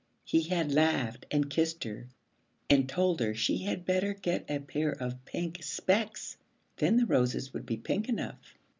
He had laughed and kissed her and told her she had better get a pair of pink specs, then the roses would be pink enough.